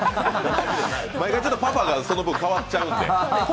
毎回、パパがその分変わっちゃうんで。